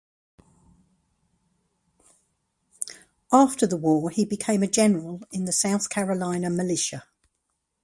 After the war he became a general in the South Carolina militia.